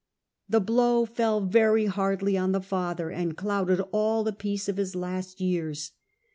The blow fell very hardly on the father, and clouded all the peace of his last years.